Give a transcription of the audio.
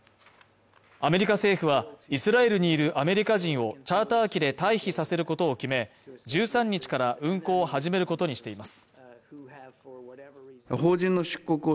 アメリカ政府はイスラエルにいるアメリカ人をチャーター機で退避させることを決め１３日から運航を始めることにしています